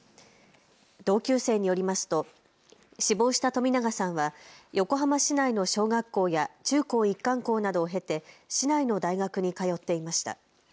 同級生によりますと死亡した冨永さんは横浜市内の小学校や中高一貫校などを経て市内の大学に通っていました。